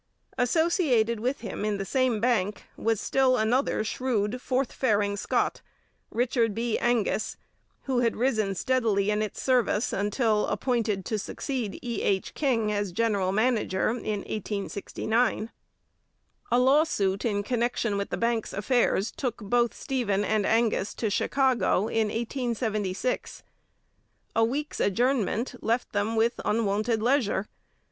Associated with him in the same bank was still another shrewd, forth faring Scot, Richard B. Angus, who had risen steadily in its service until appointed to succeed E. H. King as general manager in 1869. A lawsuit in connection with the bank's affairs took both Stephen and Angus to Chicago in 1876. A week's adjournment left them with unwonted leisure.